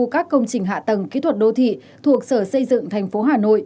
các công trình hạ tầng kỹ thuật đô thị thuộc sở xây dựng tp hà nội